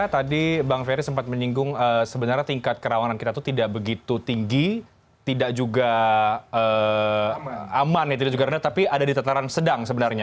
tadi bang ferry sempat menyinggung sebenarnya tingkat kerawanan kita itu tidak begitu tinggi tidak juga aman ya tidak juga rendah tapi ada di tataran sedang sebenarnya